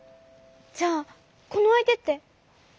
じゃあこのあいてって。